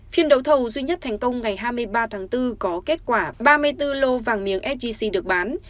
phiên đấu thầu duy nhất thành công ngày hai mươi ba tháng bốn có kết quả ba mươi bốn lô vàng miếng sgc được bán